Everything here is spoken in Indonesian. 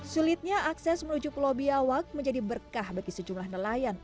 sulitnya akses menuju pulau biawak menjadi berkah bagi sejumlah nelayan